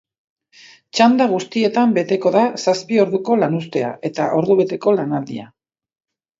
Txanda guztietan beteko da zazpi orduko lanuztea eta ordubeteko lanaldia.